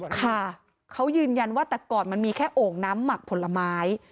ค่ะเขายืนยันว่าแต่ก่อนมันมีแค่โอ่งน้ำหมักผลไม้